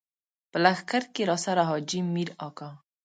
په لښکر کې راسره حاجي مير اکا.